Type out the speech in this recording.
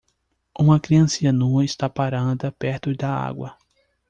Uma criancinha nua está parada perto da água.